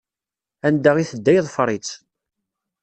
Anda i tedda yeḍfeṛ-itt.